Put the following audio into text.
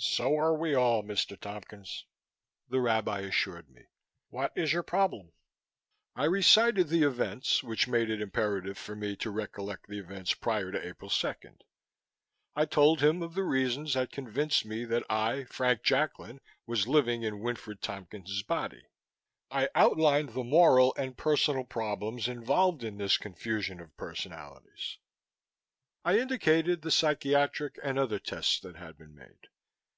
"So are we all, Mr. Tompkins," the Rabbi assured me. "What is your problem?" I recited the events which made it imperative for me to recollect the events prior to April second; I told him of the reasons that convinced me that I, Frank Jacklin, was living in Winfred Tompkins' body; I outlined the moral and personal problems involved in this confusion of personalities; I indicated the psychiatric and other tests that had been made.